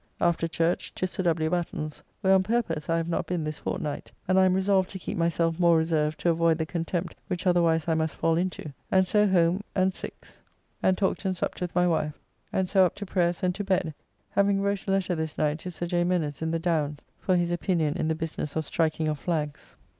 After church to Sir W. Batten's, where on purpose I have not been this fortnight, and I am resolved to keep myself more reserved to avoyd the contempt which otherwise I must fall into, and so home and six and talked and supped with my wife, and so up to prayers and to bed, having wrote a letter this night to Sir J. Mennes in the Downs for his opinion in the business of striking of flags.